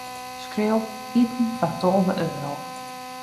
Skriuw: iten foar tolve euro.